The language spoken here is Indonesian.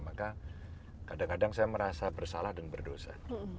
maka kadang kadang saya merasa bersalah dan berdosa